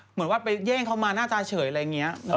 เหมือนว่าไปแย่งเขามาหน้าตาเฉยอะไรอย่างนี้